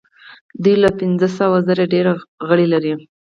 دوی له پنځه سوه زره ډیر غړي لري.